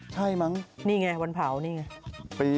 ใช่มั้งนี่ไงวันเผานี่ไง